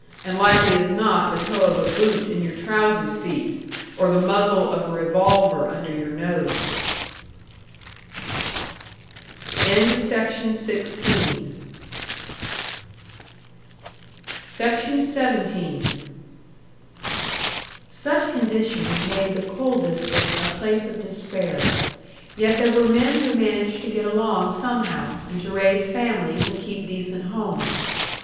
and likely as not the toe of a boot in your trouser seat, or the muzzle of a revolver under your nose. SECTION 17. Such conditions made the coal district a place of despair. Yet there were men who managed to get along somehow, and to raise families and keep decent homes.